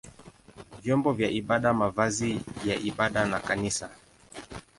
vyombo vya ibada, mavazi ya ibada na kanisa.